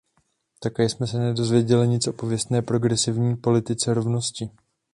Také jsme se nedozvěděli nic o pověstné progresivní politice rovnosti.